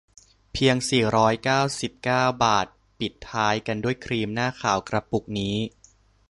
เพียง สี่ร้อยเก้าสิบเก้า บาท ปิดท้ายกันด้วยครีมหน้าขาวกระปุกนี้